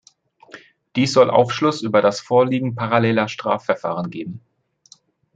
Dies soll Aufschluss über das Vorliegen paralleler Strafverfahren geben.